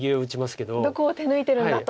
「どこを手抜いてるんだ！」と。